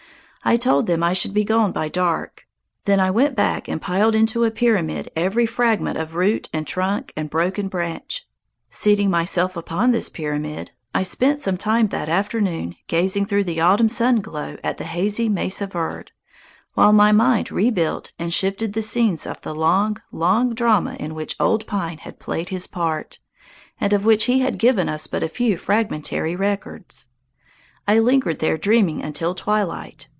I told them I should be gone by dark. Then I went back and piled into a pyramid every fragment of root and trunk and broken branch. Seating myself upon this pyramid, I spent some time that afternoon gazing through the autumn sunglow at the hazy Mesa Verde, while my mind rebuilt and shifted the scenes of the long, long drama in which Old Pine had played his part, and of which he had given us but a few fragmentary records. I lingered there dreaming until twilight.